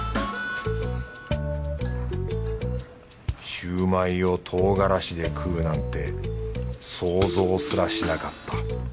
焼売を唐辛子で食うなんて想像すらしなかった。